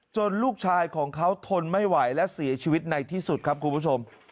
ลูกชายของเขาทนไม่ไหวและเสียชีวิตในที่สุดครับคุณผู้ชม